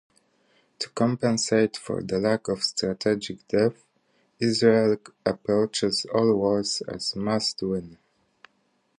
To compensate for the lack of strategic depth, Israel approaches all wars as must-win.